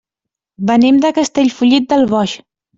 Venim de Castellfollit del Boix.